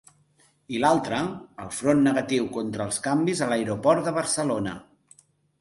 I l’altra, el front negatiu contra els canvis a l’aeroport de Barcelona.